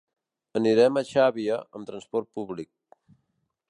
Anirem a Xàbia amb transport públic.